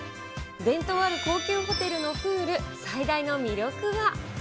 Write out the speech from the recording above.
伝統ある高級ホテルのプール、最大の魅力は。